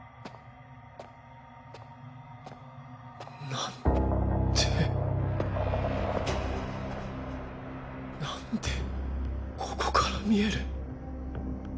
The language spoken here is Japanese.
なんでここから見える？